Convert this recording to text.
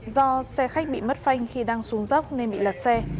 do xe khách bị mất phanh khi đang xuống dốc nên bị lật xe